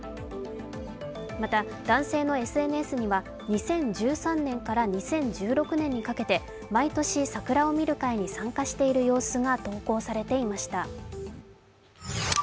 また男性のＳＮＳには２０１３年から２０１６年にかけて毎年、桜を見る会に参加している様子が投稿されていました。